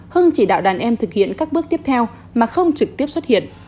hưng chỉ đạo đàn em thực hiện các bước tiếp theo mà không trực tiếp xuất hiện